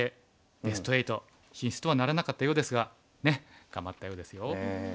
ベスト８進出とはならなかったようですがねえ頑張ったようですよ。